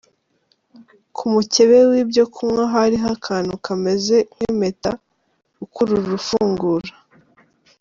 Ku mukebe w’ibyo kunywa hariho akantu kameze nk’impeta ukurura ufungura.